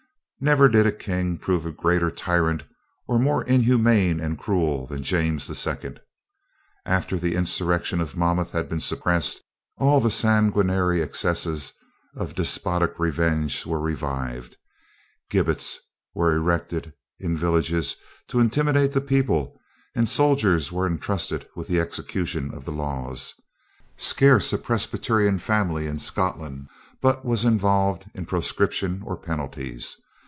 Never did a king prove a greater tyrant or more inhuman and cruel than James II. After the insurrection of Monmouth had been suppressed, all the sanguinary excesses of despotic revenge were revived. Gibbets were erected in villages to intimidate the people, and soldiers were intrusted with the execution of the laws. Scarce a Presbyterian family in Scotland, but was involved in proscription or penalties.